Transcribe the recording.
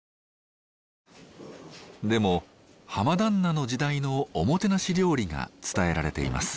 でも浜旦那の時代のおもてなし料理が伝えられています。